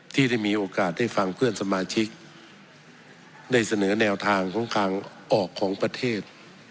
ที่ได้มีโอกาสได้ฟังเพื่อนสมาชิกได้เสนอแนวทางของทางออกของประเทศ